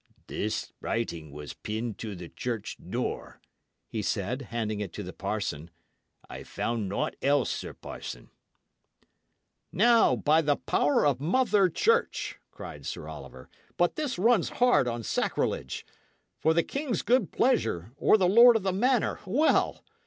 "This writing was pinned to the church door," he said, handing it to the parson. "I found naught else, sir parson." "Now, by the power of Mother Church," cried Sir Oliver, "but this runs hard on sacrilege! For the king's good pleasure, or the lord of the manor well!